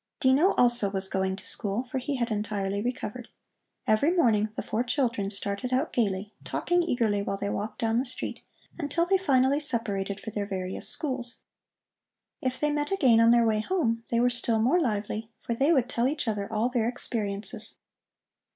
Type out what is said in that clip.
Dino also was going to school, for he had entirely recovered. Every morning the four children started out gaily, talking eagerly while they walked down the street, until they finally separated for their various schools. If they met again on their way home, they were still more lively, for they would tell each other all their experiences.